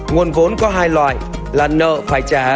nguồn vốn có hai loại là nợ phải trả